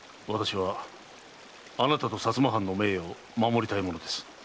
私はあなたと薩摩藩の名誉を守りたい者です。